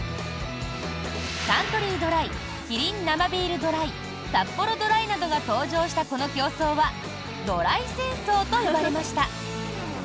サントリードライキリン生ビールドライサッポロドライなどが登場したこの競争はドライ戦争と呼ばれました。